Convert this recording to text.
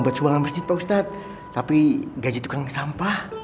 besokan mesin pak ustadz tapi gaji tukang sampah